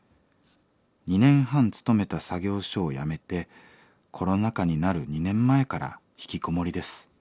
２年半勤めた作業所を辞めてコロナ禍になる２年前からひきこもりです。